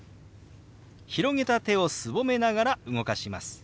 広げた手をすぼめながら動かします。